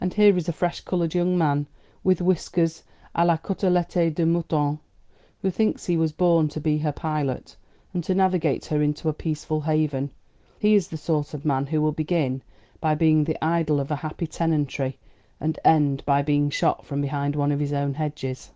And here is a fresh coloured young man, with whiskers à la côtelette de mouton, who thinks he was born to be her pilot, and to navigate her into a peaceful haven. He is the sort of man who will begin by being the idol of a happy tenantry, and end by being shot from behind one of his own hedges."